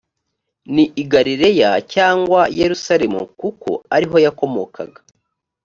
ni i galileya cyangwa yerusalemu kuko ariho yakomokaga